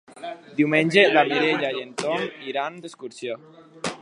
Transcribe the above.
Diumenge na Mireia i en Tom iran d'excursió.